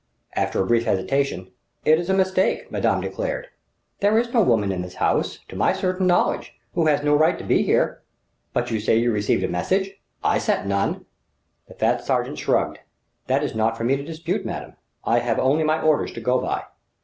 After brief hesitation, "It is a mistake," madame declared; "there is no woman in this house, to my certain knowledge, who has no right to be here... But you say you received a message? I sent none!" The fat sergent shrugged. "That is not for me to dispute, madame. I have only my orders to go by."